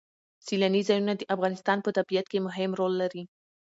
سیلانی ځایونه د افغانستان په طبیعت کې مهم رول لري.